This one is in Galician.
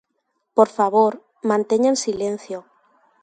¡Por favor, manteñan silencio!